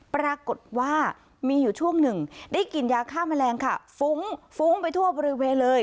ปรากฏว่ามีอยู่ช่วงหนึ่งได้กินยาฆ่าแมลงค่ะฟุ้งฟุ้งไปทั่วบริเวณเลย